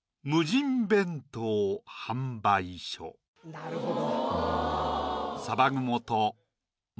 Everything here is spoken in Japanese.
なるほど。